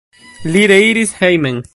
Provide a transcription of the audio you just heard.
Li reiris hejmen.